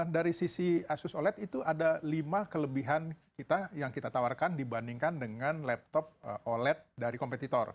dari sisi asus oled itu ada lima kelebihan kita yang kita tawarkan dibandingkan dengan laptop oled dari kompetitor